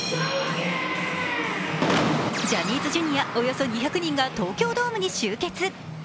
ジャニーズＪｒ．およそ２００人が東京ドームに集結。